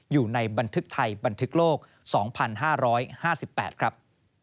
อยู่ในบันทึกไทยบันทึกโลก๒๕๕๘ครับ